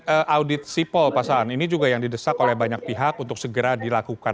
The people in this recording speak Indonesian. kondisi pol pasaran ini juga yang didesak oleh banyak pihak untuk segera dilakukan